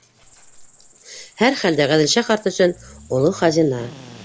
Һәр хәлдә Ғәҙелша ҡарт өсөн оло хазина.